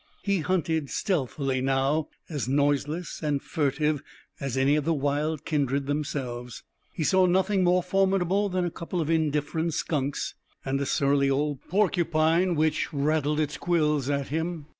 He hunted stealthily now, as noiseless and furtive as any of the wild kindred themselves. He saw nothing more formidable than a couple of indifferent skunks and a surly old porcupine which rattled its quills at him.